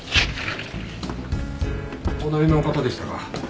隣の方でしたか。